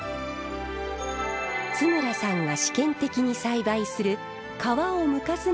津村さんが試験的に栽培する皮をむかずに食べられる桃。